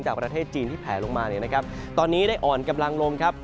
จากประเทศจีนที่แผลลงมาตอนนี้ได้อ่อนกำลังลงครับ